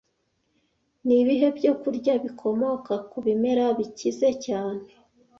Nibihe byo kurya bikomoka ku bimera bikize cyane